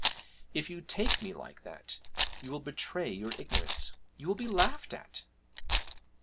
If you take me like that, you will betray your ignorance you will be laughed at!'